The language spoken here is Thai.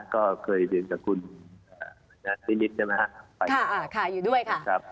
ก็เคยเดินกับคุณนัทนิมิตรใช่ไหมฮะค่ะอ่าค่ะอยู่ด้วยค่ะครับ